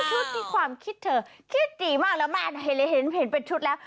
ชุดที่ความคิดเธอคิดดีมากแล้วแม่เห็นเลยเห็นเป็นชุดแล้ว